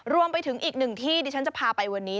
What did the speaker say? รวมไปถึงอีกหนึ่งที่ที่ฉันจะพาไปวันนี้